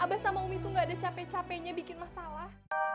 abah sama umi itu gak ada capek capeknya bikin masalah